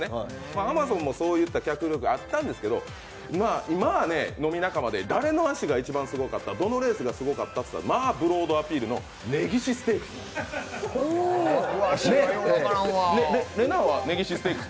アマゾンもそういった脚力があったんですけど今は飲み仲間で誰の脚が一番すごかった、どのレースがすごかったといったらブロードアピールの根岸ステークス。